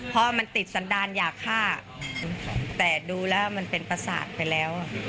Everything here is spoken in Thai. เพราะมันติดสันดาลอยากฆ่าแต่ดูแล้วมันเป็นประสาทไปแล้ว